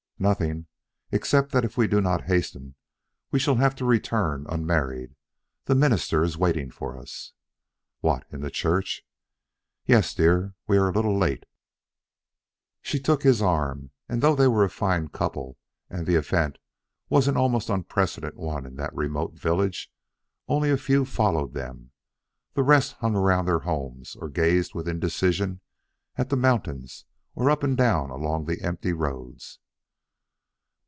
"Nothing, except that if we do not hasten we shall have to return unmarried. The minister is waiting for us." "What, in the church?" "Yes, dear. We are a little late." She took his arm, and though they were a fine couple and the event was almost an unprecedented one in that remote village, only a few followed them; the rest hung round their homes or gazed with indecision at the mountains or up and down along the empty roads.